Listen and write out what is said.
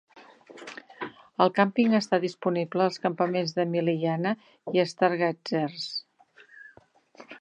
El càmping està disponible als campaments de Miliyanha i Stargazers.